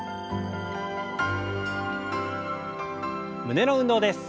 胸の運動です。